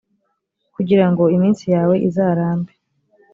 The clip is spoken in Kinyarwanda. kugira ngo iminsi yawe izarambe,